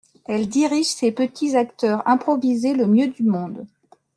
Elle dirige ses petits acteurs improvisés le mieux du monde.